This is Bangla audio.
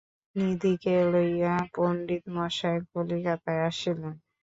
নিধিকে লইয়া পণ্ডিতমহাশয় কলিকাতায় আসিলেন।